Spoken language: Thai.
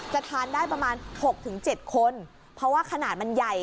ทานได้ประมาณ๖๗คนเพราะว่าขนาดมันใหญ่